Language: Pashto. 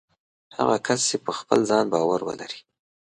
هغه کس چې په خپل ځان باور ولري